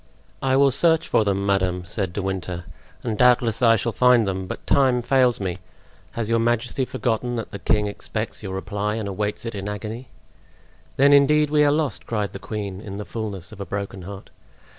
"I will search for them, madame," said De Winter "and doubtless I shall find them; but time fails me. Has your majesty forgotten that the king expects your reply and awaits it in agony?" "Then indeed we are lost!" cried the queen, in the fullness of a broken heart.